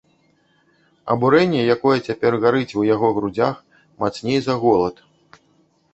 Абурэнне, якое цяпер гарыць у яго грудзях, мацней за голад.